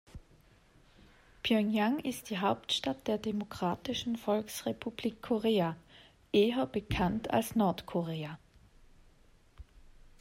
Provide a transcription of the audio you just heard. Pjöngjang ist die Hauptstadt der Demokratischen Volksrepublik Korea, eher bekannt als Nordkorea.